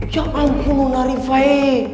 ya ampun mona rifai